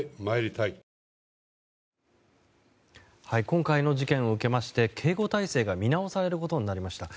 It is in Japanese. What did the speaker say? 今回の事件を受けまして警護態勢が見直されることになりました。